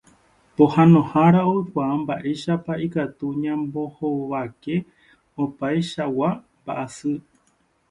Pohãnohára oikuaa mba'éichapa ikatu ñambohovake opaichagua mba'asy.